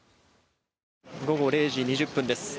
午後０時２０分です。